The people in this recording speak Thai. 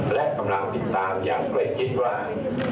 และกำลังติดตามอย่างใกล้ชิดว่า